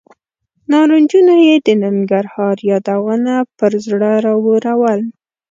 نارنجونو یې د ننګرهار یادونه پر زړه راورول.